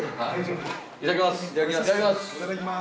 いただきます。